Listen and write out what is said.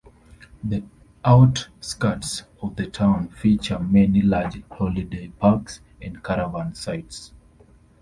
The outskirts of the town feature many large holiday parks and caravan sites.